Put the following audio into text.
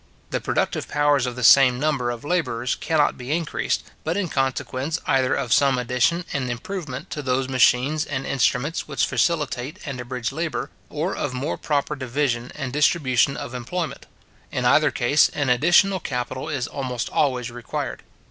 The productive powers of the same number of labourers cannot be increased, but in consequence either of some addition and improvement to those machines and instruments which facilitate and abridge labour, or of more proper division and distribution of employment. In either case, an additional capital is almost always required.